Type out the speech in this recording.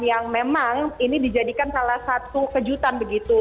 yang memang ini dijadikan salah satu kejutan begitu